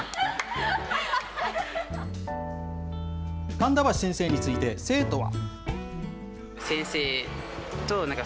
神田橋先生について、生徒は。